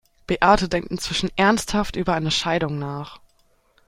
Beate denkt inzwischen ernsthaft über eine Scheidung nach.